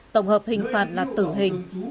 tổng hợp hình phạt là tử hình